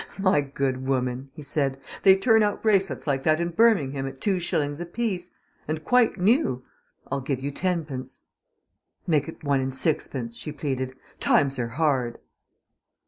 "My good woman," he said, "they turn out bracelets like that in Birmingham at two shillings apiece. And quite new. I'll give you tenpence." "Make it one and sixpence," she pleaded. "Times are hard."